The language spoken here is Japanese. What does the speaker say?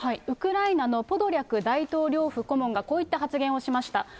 ウクライナのポドリャク大統領府顧問がこういった発言をしました。